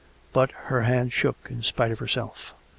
But her hand shook in spite of herself.